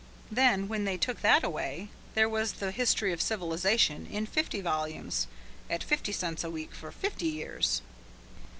Then when they took that away, there was the "History of Civilization," in fifty volumes at fifty cents a week for fifty years.